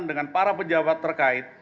dengan para pejabat terkait